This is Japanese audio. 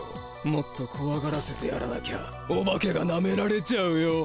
もっとこわがらせてやらなきゃお化けがなめられちゃうよ。